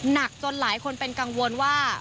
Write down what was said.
หนักจนหลายคนเป็นกังวลว่า